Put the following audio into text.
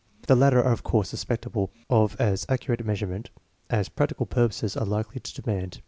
The latter are of course susceptible of as accurate measurement as practical purposes are likely to de mand.